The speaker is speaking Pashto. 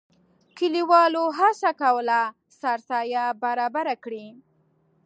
کلیوالو هڅه کوله سرسایه برابره کړي.